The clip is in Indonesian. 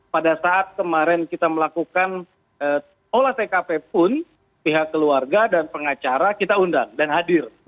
pada saat kemarin kita melakukan olah tkp pun pihak keluarga dan pengacara kita undang dan hadir